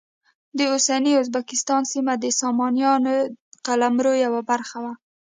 د اوسني ازبکستان سیمه د سامانیانو قلمرو یوه برخه وه.